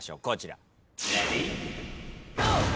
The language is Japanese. こちら。